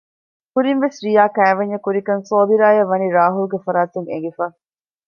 ކުރިން ވެސް ރިޔާ ކައިވެންޏެއް ކުރިކަން ޞާބިރާއަށް ވަނީ ރާހުލްގެ ފަރާތުން އެނގިފަ